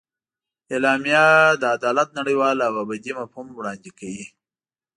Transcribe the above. اعلامیه د عدالت نړیوال او ابدي مفهوم وړاندې کوي.